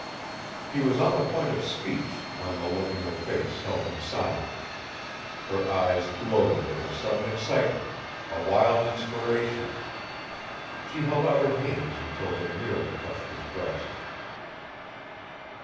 He was on the point of speech when the look in her face held him silent. Her eyes glowed with a sudden excitement a wild inspiration. She held out her hands until they nearly touched his breast.